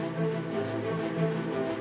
jadi kita harus mencari yang lebih baik